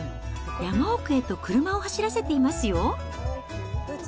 山奥へと車を走らせていますよ。